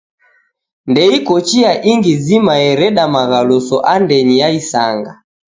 Ndeiko chia ingi zima yereda maghaluso andenyi ya isanga.